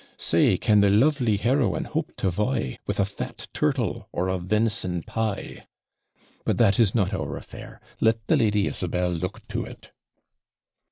'Say, can the lovely HEROINE hope to vie With a fat turtle or a ven'son pie? But that is not our affair; let the Lady Isabel look to it.'